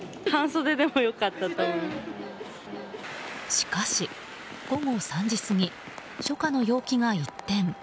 しかし、午後３時過ぎ初夏の陽気が一転。